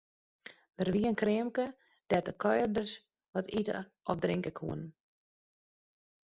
Der wie in kreamke dêr't de kuierders wat ite of drinke koene.